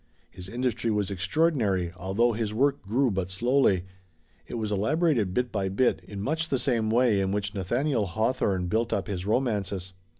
His industry was extraordinary, although his work grew but slowly. It was elaborated bit by bit in much the same way in which Nathaniel Hawthorne built up his romances.